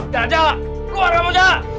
dada keluar ramadhan